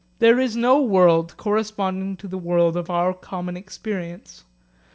There is no world corresponding to the world of our common experience.